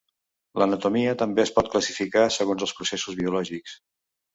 L'anatomia també es pot classificar segons els processos biològics.